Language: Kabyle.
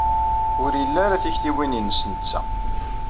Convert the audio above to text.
Ur ili ara tiktiwin-nnes netta.